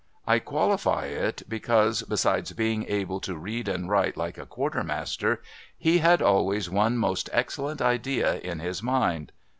I qualify it, because, besides being able to read and write like a Quarter master, he had always one most excellent idea in his mind.